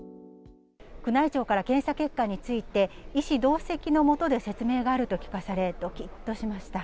宮内庁から検査結果について、医師同席の下で説明があると聞かされ、どきっとしました。